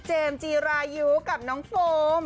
เจมส์จีรายูกับน้องโฟม